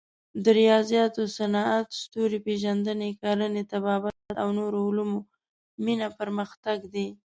د ریاضیاتو، صنعت، ستوري پېژندنې، کرنې، طبابت او نورو علومو مینه پرمختګ دی.